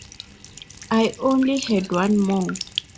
I only had one more.